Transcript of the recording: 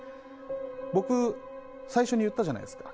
僕、最初に言ったじゃないですか。